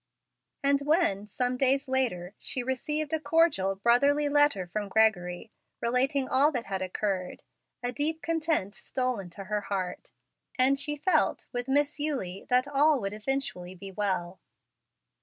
And when, some days later, she received a cordial, brotherly letter from Gregory, relating all that had occurred, a deep content stole into her heart, and she felt, with Miss Eulie, that all would eventually be well.